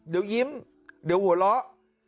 เดี๋ยวยิ้มเดี๋ยวหัวเราะ